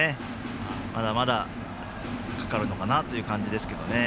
まだまだかかるのかなという感じですけどね。